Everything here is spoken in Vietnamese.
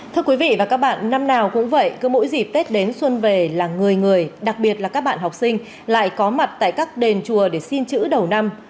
thưa quý vị và các bạn năm nào cũng vậy cứ mỗi dịp tết đến xuân về là người người đặc biệt là các bạn học sinh lại có mặt tại các đền chùa để xin chữ đầu năm